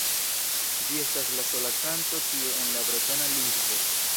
Ĝi estas la sola kanto tie en la bretona lingvo.